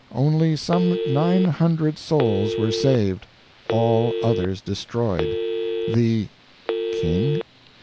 Only some nine hundred souls were saved, all others destroyed. The (king?)